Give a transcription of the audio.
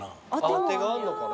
あてがあんのかね？